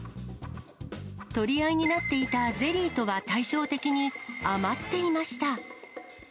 取り合いになっていたゼリーとは対照的に余っていました。